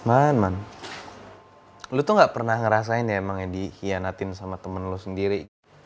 aku gak pernah ngerasain ya emang yang dikhianatin sama temen lo sendiri